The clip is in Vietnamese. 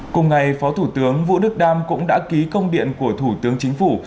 cùng ngày phó thủ tướng vũ đức đam cũng đã ký công điện của thủ tướng chính phủ